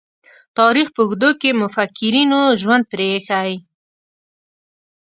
تاریخ په اوږدو کې مُفکرینو ژوند پريښی.